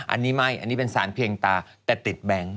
อันนี้ไม่อันนี้เป็นสารเพียงตาแต่ติดแบงค์